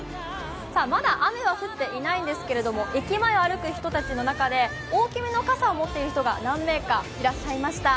まだ雨は降っていないんですけれども、駅前を歩く人たちの中で大きめの傘を持っている方が何名かいました。